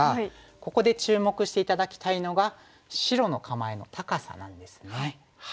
ここで注目して頂きたいのが白の構えの高さなんですね。